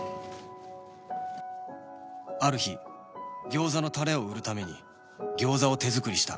ある日ぎょうざのタレを売るためにぎょうざを手作りした。